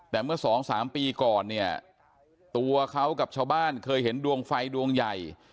แต่เมื่อสองสามปีก่อนเนี่ยตัวเขากับชาวบ้านเคยเห็นดวงไฟดวงใหญ่